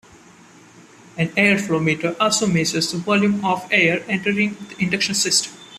An air flow meter also measures the volume of air entering the induction system.